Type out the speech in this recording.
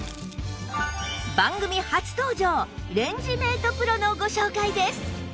番組初登場レンジメート ＰＲＯ のご紹介です